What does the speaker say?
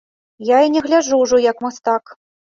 І я не гляджу ўжо як мастак.